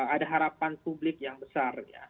ada harapan publik yang besar ya